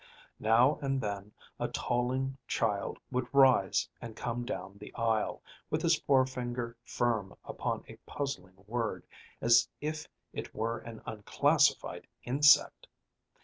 Now and then a toiling child would rise and come down the aisle, with his forefinger firm upon a puzzling word as if it were an unclassified insect.